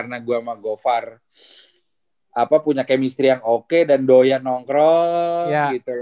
kebetulan memang karena gue sama go far punya chemistry yang oke dan doya nongkrong gitu